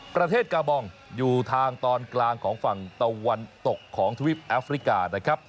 กาบองอยู่ทางตอนกลางของฝั่งตะวันตกของทวีปแอฟริกานะครับ